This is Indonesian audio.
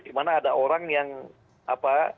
dimana ada orang yang apa